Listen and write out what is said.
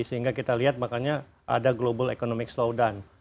sehingga kita lihat makanya ada global economic slowdown